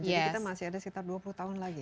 jadi kita masih ada sekitar dua puluh tahun lagi